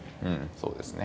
そうですね。